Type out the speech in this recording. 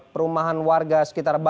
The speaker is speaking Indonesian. perumahan warga sekitar bapak